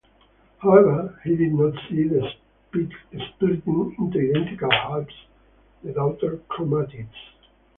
However, he did not see the splitting into identical halves, the daughter chromatids.